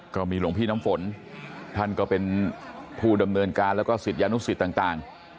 ก็มีหลวงพี่น้ำฝนท่านก็เป็นผู้ดำเนินการแล้วก็ศิษยานุสิตต่าง